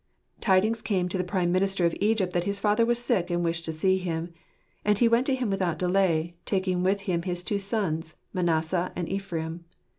Tidings came to the Prime Minister of Egypt that his father was sick and wished to see him. And he went to him without delay, taking with him his two sons, Manasseh and Ephraim.